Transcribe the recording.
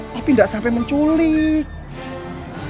tapi tidak sampai menculik